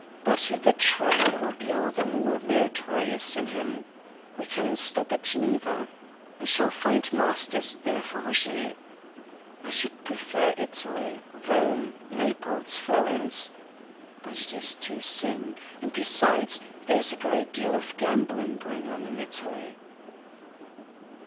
But the trial will be all the more meritorious in him. We can stop at Geneva, I A DISAGREEABLE VISITOR. 59 shall find masters there for Roger. I should prefer Italy, Rome, Naples, Florence ! But it is too soon, ... and, besides, there is a great deal of gambling going on in Italy."